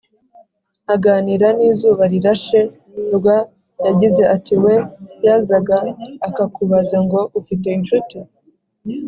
Aganira n’izubarirashe.rw, yagize ati “We yazaga akakubaza ngo ‘ufite inshuti